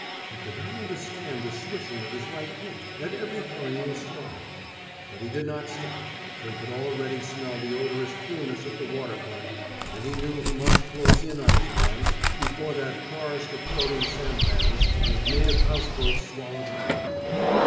He could not understand the swishing of his right boot, at every hurrying stride. But he did not stop, for he could already smell the odorous coolness of the water front and he knew he must close in on his man before that forest of floating sampans and native house boats swallowed him up.